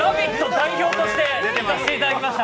代表として出させていただきました。